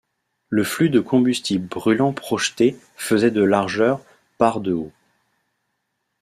Le flux de combustible brûlant projeté faisait de largeur par de haut.